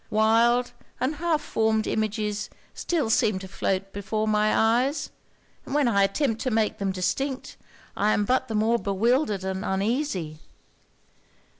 Wild and half formed images still seem to float before my eyes; and when I attempt to make them distinct, I am but the more bewildered and uneasy.'